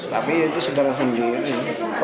tapi itu sederhana sendiri